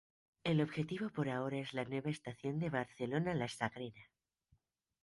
El objetivo por ahora es la nueva Estación de Barcelona-La Sagrera.